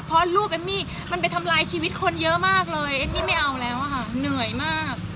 เพราะรูปเอมมี่มันไปทำลายชีวิตคนเยอะมากเลยเอมมี่ไม่เอาแล้วอะค่ะเหนื่อยมาก